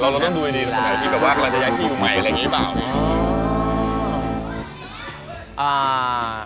เราต้องดูดีแล้วสมัยว่าเราจะอยากอยู่ใหม่อะไรแบบนี้หรือเปล่า